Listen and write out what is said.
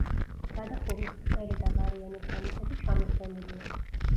გადახურვის ბრტყელი და ღარიანი კრამიტები ჩამოცვენილია.